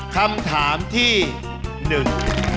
คำถามที่หนึ่ง